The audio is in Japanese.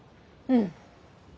うん。